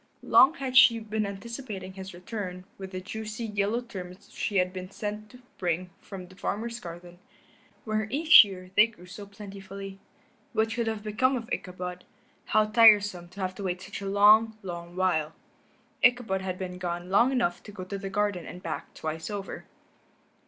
Long had she been anticipating his return with the juicy, yellow turnips which he had been sent to bring from the farmer's garden, where each year they grew so plentifully. What could have become of Ichabod? How tiresome to have to wait such a long, long while. Ichabod had been gone long enough to go to the garden and back twice over.